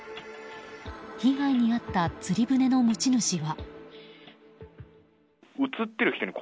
被害に遭った釣り船の持ち主は。